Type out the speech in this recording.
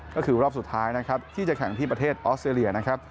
ก็คือรอบสุดท้ายที่จะแข่งที่ประเทศออสเตอรียา